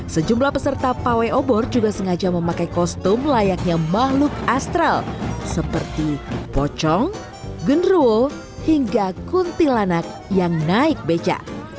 sejumlah peserta pawai obor juga sengaja memakai kostum layaknya makhluk astral seperti pocong genruo hingga kuntilanak yang naik beca